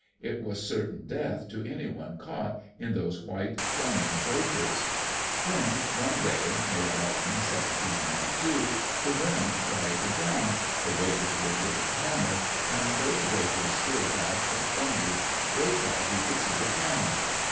It was certain death to anyone caught in those white, foaming breakers. Then one day. May ii, 1792, the wind quieted down, the waves were a little calmer, and though the breakers still dashed and thundered, Gray thought he could see a channel.